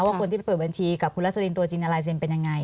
ว่าคนที่ไปเปิดบัญชีกับคุณรัสลินตัวจริงลายเซ็นเป็นยังไง